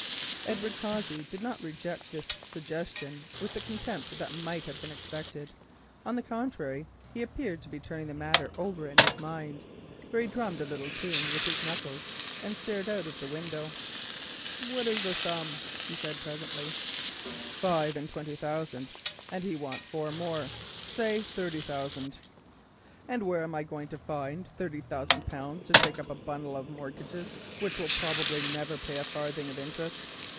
Edward Cossey did not reject this suggestion with the contempt that might have been expected; on the contrary he appeared to be turning the matter over in his mind, for he drummed a little tune with his knuckles and stared out of the window. "What is the sum?" he said presently. "Five and twenty thousand, and he wants four more, say thirty thousand." "And where am I going to find thirty thousand pounds to take up a bundle of mortgages which will probably never pay a farthing of interest?